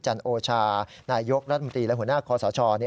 จันโอชานายกรัฐมนตรีและหัวหน้าคอสช